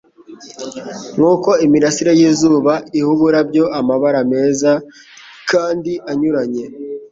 Nk'uko imirasire y'izuba iha uburabyo amabara meza kandi anyuranye,